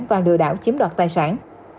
và lừa đảo chiếm đoạt tài sản